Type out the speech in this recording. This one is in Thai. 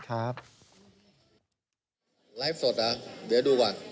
ไลฟ์สดเดี๋ยวดูก่อน